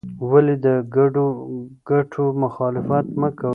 ولې د ګډو ګټو مخالفت مه کوې؟